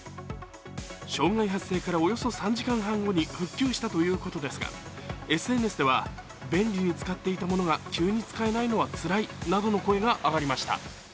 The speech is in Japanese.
障害発生からおよそ３時間半後に復旧したということですがＳＮＳでは、便利に使っていたものが急に使えないのはつらいなどの声が上がりました。